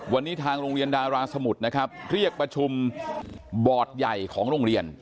วันนี้ทางโรงเรียนดาราสมุทรนะครับเรียกประชุมบอร์ดใหญ่ของโรงเรียน